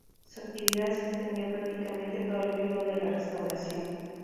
Su actividad se extendió prácticamente todo el período de la Restauración.